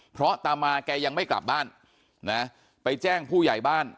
เพราะตามาแกยังไม่กลับบ้านนะไปแจ้งผู้ใหญ่บ้าน